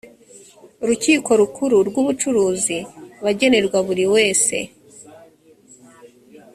rukiko rukuru rw ubucuruzi bagenerwa buri wese